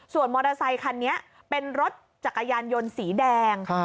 ส่วนมอเตอร์ไซคันนี้เป็นรถจักรยานยนต์สีแดง